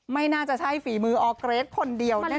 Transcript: ไม่น่าจะใช่ฝีมือออร์เกรทคนเดียวแน่